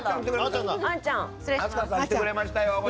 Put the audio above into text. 明日香さん来てくれましたよ！